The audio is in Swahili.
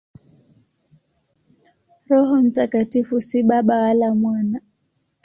Roho Mtakatifu si Baba wala Mwana.